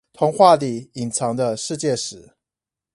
童話裡隱藏的世界史